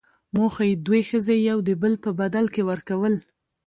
موخۍ، دوې ښځي يو دبل په بدل کي ورکول.